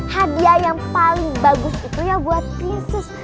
hadiah yang paling bagus itu ya buat krisis